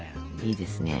いいですね。